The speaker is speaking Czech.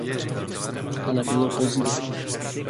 Ale bylo pozdě.